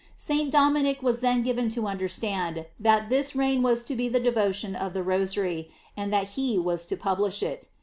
St. Dominic was then given to understand that this rain was to be the devotion of the Rosary, and that he was to publish it.